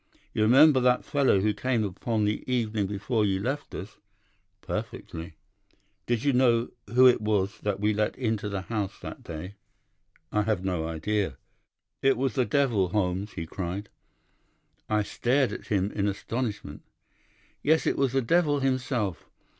You remember that fellow who came upon the evening before you left us?' "'Perfectly.' "'Do you know who it was that we let into the house that day?' "'I have no idea.' "'It was the devil, Holmes,' he cried. "I stared at him in astonishment. "'Yes, it was the devil himself.